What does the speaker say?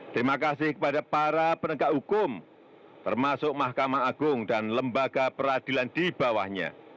terima kasih kepada para penegak hukum termasuk mahkamah agung dan lembaga peradilan di bawahnya